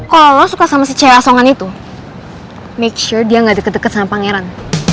kalau suka sama si cewek asongan itu make sure dia gak deket deket sama pangeran